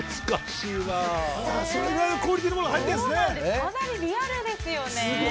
かなり、リアルですよね。